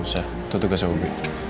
ya usah itu tugasnya ub